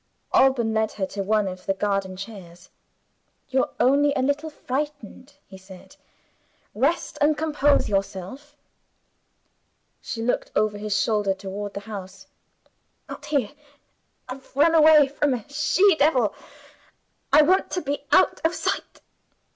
Alban led her to one of the garden chairs. "You're only a little frightened," he said. "Rest, and compose yourself." She looked over her shoulder toward the house. "Not here! I've run away from a she devil; I want to be out of sight.